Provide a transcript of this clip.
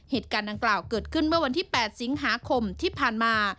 เหตุการณ์ดังกล่าวเกิดขึ้นเมื่อวันที่๘สิงหาคมที่ผ่านมา